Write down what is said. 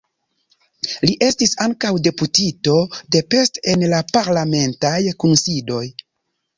Li estis ankaŭ deputito de Pest en la parlamentaj kunsidoj.